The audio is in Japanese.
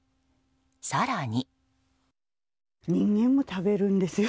更に。